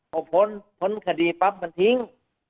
พอพ้นพ้นคดีปั๊บมันทิ้ง